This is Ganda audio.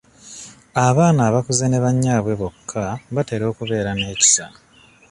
Abaana abakuze ne bannyaabwe bokka batera okubeera n'ekisa.